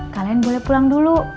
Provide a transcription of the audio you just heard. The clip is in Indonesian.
kalian boleh pulang dulu